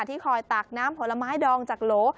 ที่คอยตักน้ำผลไม้ดองจากโหล